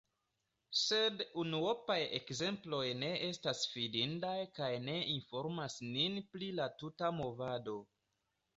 Sed unuopaj ekzemploj ne estas fidindaj kaj ne informas nin pri la tuta movado.